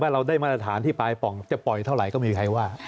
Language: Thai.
เราได้มาตรฐานที่ปลายป่องจะปล่อยเท่าไหร่ก็ไม่มีใครว่า